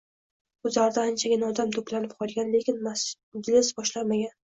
Guzarda anchagina odam toʻplanib qolgan, lekin majlis boshlanmagan.